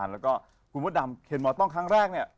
แล้วก็คุณมดดำเคนมอต้องครั้งแรกเนี่ย